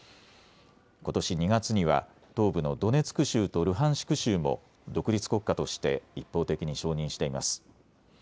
ことし２月には東部のドネツク州とルハンシク州も独立国家として一方的に承認しています。